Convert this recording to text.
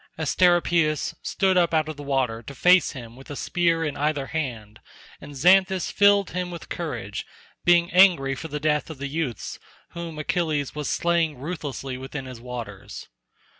Asteropaeus stood up out of the water to face him with a spear in either hand, and Xanthus filled him with courage, being angry for the death of the youths whom Achilles was slaying ruthlessly within his waters.